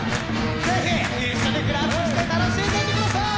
ぜひ一緒にクラップして楽しんでいってください！